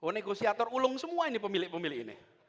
oh negosiator ulung semua ini pemilik pemilik ini